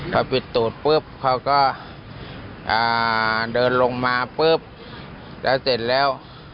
พอปิดตูดปุ๊บเขาก็เดินลงมาปุ๊บแล้วเสร็จแล้ว